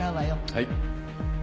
はい。